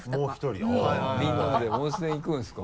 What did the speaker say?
みんなで温泉行くんですか？